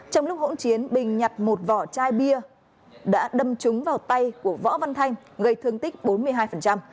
trong lúc hỗn chiến bình nhặt một vỏ chai bia đã đâm trúng vào tay của võ văn thanh gây thương tích bốn mươi hai